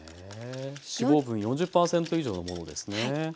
脂肪分４０％以上のものですね。